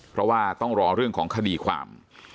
เพราะว่าต้องรอเรื่องของคดีความ